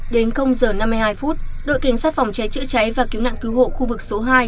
đến giờ năm mươi hai phút đội cảnh sát phòng cháy chữa cháy và cứu nạn cứu hộ khu vực số hai